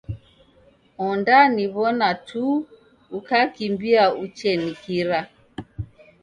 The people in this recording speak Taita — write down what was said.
Ondaniw'ona tu ukakimbia uchenikira.